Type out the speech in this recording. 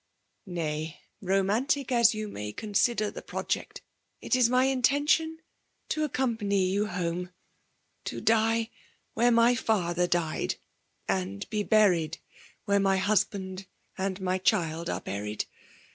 Nay, romantic as you may oonrider the project, it is my intention to zc * 0»tnpaiiy you home, ^to die where my father died) — 'and be buried where my husband and my child are buried.